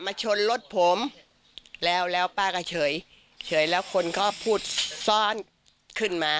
ชนรถผมแล้วแล้วป้าก็เฉยเฉยแล้วคนก็พูดซ้อนขึ้นมา